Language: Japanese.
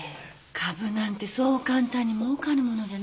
株なんてそう簡単にもうかるものじゃないし。